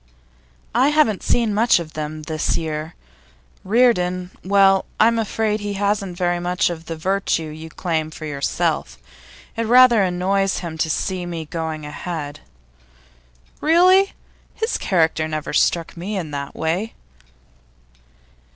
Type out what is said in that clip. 'I haven't seen much of them this year. Reardon well, I'm afraid he hasn't very much of the virtue you claim for yourself. It rather annoys him to see me going ahead.' 'Really? His character never struck me in that way.